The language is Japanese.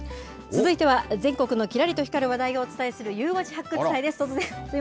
続いては、全国のきらりと光る話題をお伝えする、ゆう５時発掘隊です。